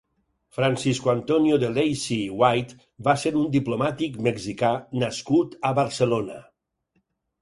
Francisco Antonio de Lacy i White va ser un diplomàtic mexicà nascut a Barcelona.